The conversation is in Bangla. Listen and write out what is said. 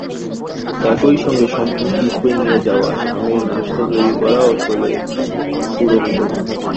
একই সঙ্গে সন্তানকে স্কুলে নিয়ে যাওয়া, স্বামীর নাশতা তৈরি করাও চলে পুরোদমে।